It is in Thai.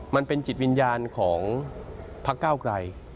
มันเป็นจิตวิญญาณของพักเก้าไกร